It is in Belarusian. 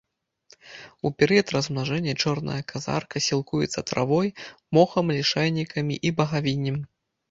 У перыяд размнажэння чорныя казарка сілкуюцца травой, мохам, лішайнікамі і багавіннем.